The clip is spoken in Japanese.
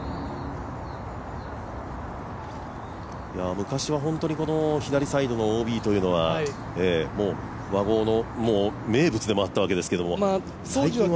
昔は左サイドのＯＢというのは和合の名物でもあったわけですけれども、最近はね。